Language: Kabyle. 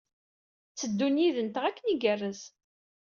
Tteddun yid-nteɣ akken igerrez.